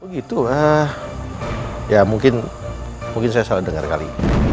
oh gitu ya mungkin saya salah dengar kali